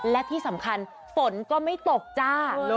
และที่สำคัญฝนก็ไม่ตกจ้า